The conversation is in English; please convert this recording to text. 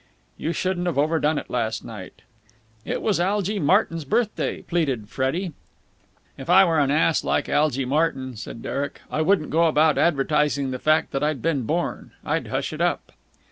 "You shouldn't have overdone it last night." "It was Algy Martyn's birthday," pleaded Freddie. "If I were an ass like Algy Martyn," said Derek, "I wouldn't go about advertising the fact that I'd been born. I'd hush it up!"